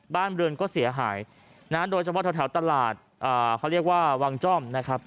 บ้านเรือนก็เสียหายนะโดยเฉพาะแถวตลาดเขาเรียกว่าวังจ้อมนะครับ